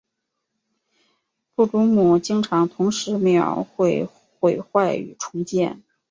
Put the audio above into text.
布鲁姆经常同时描绘毁坏与重建。